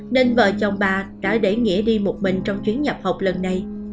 nên vợ chồng bà đã để nghĩa đi một mình trong chuyến nhập học lần này